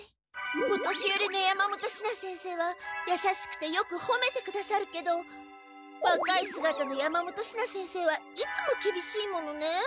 お年よりの山本シナ先生はやさしくてよくほめてくださるけどわかいすがたの山本シナ先生はいつもきびしいものね。